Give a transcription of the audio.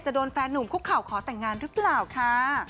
โดนแฟนหนุ่มคุกเข่าขอแต่งงานหรือเปล่าค่ะ